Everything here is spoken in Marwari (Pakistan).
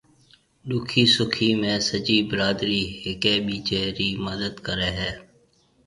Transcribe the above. ڏُکِي سُکِي ۾ سجي برادري ھيَََڪيَ ٻيجيَ رِي مدد ڪريَ ھيََََ